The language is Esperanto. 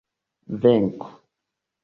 venko